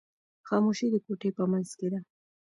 خاموشي د کوټې په منځ کې ده.